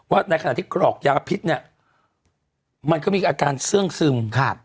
ว่าในขณะที่กรอกยาพิษมันก็มีอาการเสื้องซึม